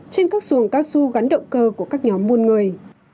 trên các xuồng cao su gắn động cơ của các nhóm buôn người